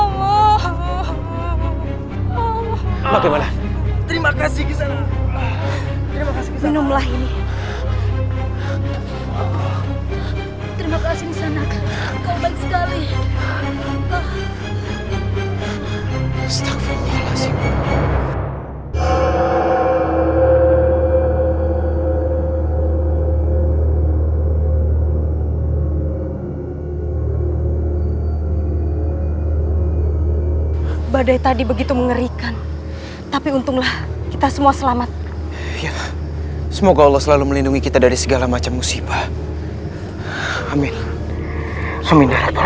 masih saja tetap keras kepala dan tidak mau mengaku